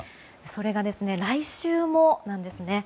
それが来週もなんですね。